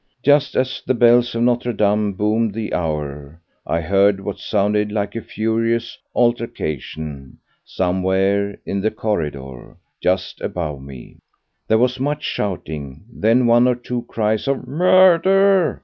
Just as the bells of Notre Dame boomed the hour I heard what sounded like a furious altercation somewhere in the corridor just above me. There was much shouting, then one or two cries of "Murder!"